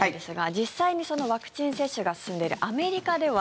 実際にワクチン接種が進んでいるアメリカでは